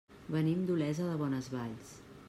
Venim d'Olesa de Bonesvalls.